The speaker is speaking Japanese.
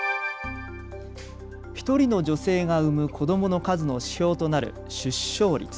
１人の女性が産む子どもの数の指標となる出生率。